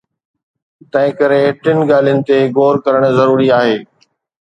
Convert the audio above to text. تنهنڪري ٽن ڳالهين تي غور ڪرڻ ضروري آهي.